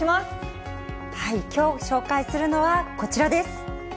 きょう紹介するのはこちらです。